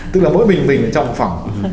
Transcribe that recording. tức là mỗi mình mình ở trong phòng